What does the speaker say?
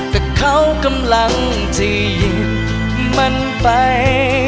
แต่เขากำลังจะหยิบมันไป